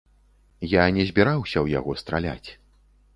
Я не збіраўся ў яго страляць.